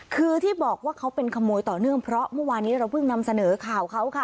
คือที่บอกว่าเขาเป็นขโมยต่อเนื่องเพราะเมื่อวานนี้เราเพิ่งนำเสนอข่าวเขาค่ะ